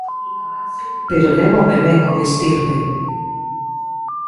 Pero lévome ben con Estirpe.